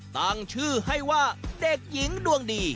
ตั้งชื่อให้ว่าเด็กหญิงดวงดี